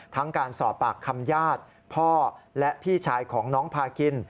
การสอบปากคำญาติพ่อและพี่ชายของน้องพากิน